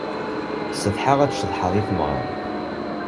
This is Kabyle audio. Setḥaɣ ad ceḍḥeɣ di tmeɣra.